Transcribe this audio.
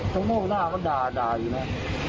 ขนาดมันด่าอยู่ละ